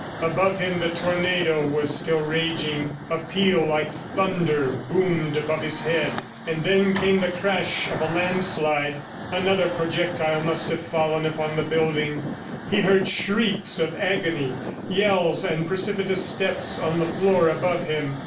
Above him the tornado was still raging. A peal like thunder boomed above his head, and then came the crash of a landslide. Another projectile must have fallen upon the building. He heard shrieks of agony, yells and precipitous steps on the floor above him.